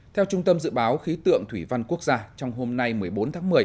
theo trung tâm dự báo khí tượng thủy văn quốc gia trong hôm nay một mươi bốn tháng một mươi